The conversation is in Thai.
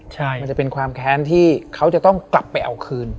ใช่มันจะเป็นความแค้นที่เขาจะต้องกลับไปเอาคืน